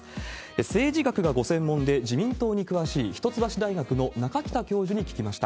政治学がご専門で自民党に詳しい一橋大学の中北教授に聞きました。